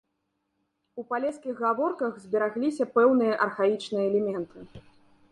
У палескіх гаворках зберагліся пэўныя архаічныя элементы.